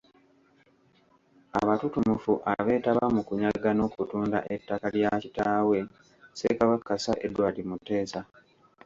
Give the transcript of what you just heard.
Abatutumufu abeetaba mu kunyaga n’okutunda ettaka lya kitaawe Ssekabaka Sir Edward Muteesa.